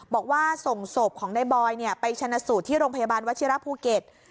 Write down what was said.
บอกว่าส่งศพของในบอยไปชนะสูตรที่โรงพยาบาลวัชิระภูเก็ต